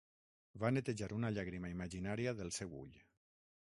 Va netejar una llàgrima imaginària del seu ull.